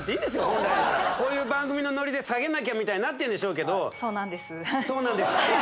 本来ならこういう番組のノリで下げなきゃみたいになってんでしょうけどそうなんですそうなんですよ